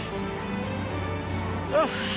よし！